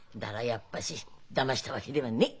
やっぱしだましたわけではねえ！